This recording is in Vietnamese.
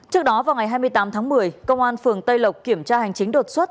trước đó vào ngày hai mươi tám tháng một mươi công an phường tây lộc kiểm tra hành chính đột xuất